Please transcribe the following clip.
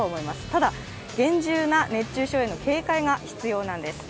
ただ厳重な熱中症への警戒が必要なんです。